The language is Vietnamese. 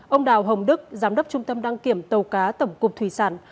ông đào hồng đức giám đốc trung tâm đăng kiểm tàu cá tổng cục thủy sản